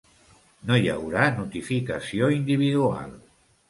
No hi haurà notificació individual.